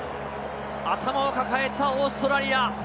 頭を抱えたオーストラリア。